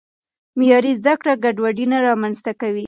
معیاري زده کړه ګډوډي نه رامنځته کوي.